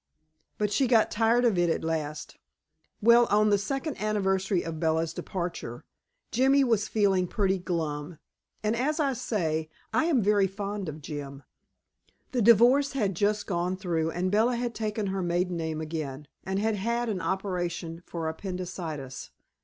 But she got tired of it at last. Well, on the second anniversary of Bella's departure, Jimmy was feeling pretty glum, and as I say, I am very fond of Jim. The divorce had just gone through and Bella had taken her maiden name again and had had an operation for appendicitis.